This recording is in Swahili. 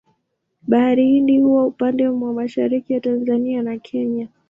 Bahari Hindi huwa upande mwa mashariki ya Tanzania na Kenya.